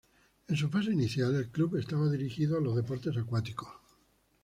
En su fase inicial, el club estaba dirigido a los deportes acuáticos.